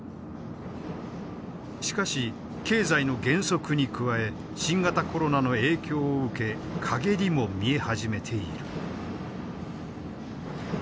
しかし経済の減速に加え新型コロナの影響を受け陰りも見え始めている。